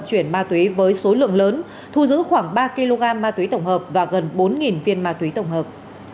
chuyển ma túy với số lượng lớn thu giữ khoảng ba kg ma túy tổng hợp và gần bốn viên ma túy tổng hợp